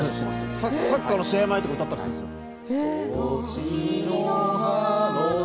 サッカーの試合前とか歌ったりするんですよ。